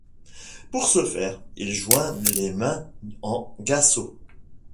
Pour ce faire, il joint les mains en gassho.